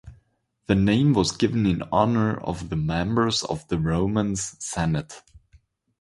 The name was given in honour of the members of the Roman Senate.